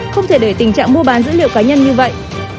không thể để tình trạng mua bán dữ liệu cá nhân như vậy